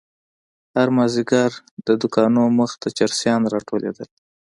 هر مازيگر د دوکانو مخې ته چرسيان راټولېدل.